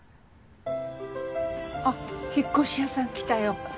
あっ引っ越し屋さん来たよ。